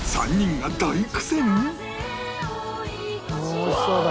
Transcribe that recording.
おいしそうだな。